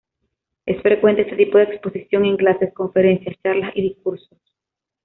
Es frecuente este tipo de exposición en clases, conferencias, charlas y discursos.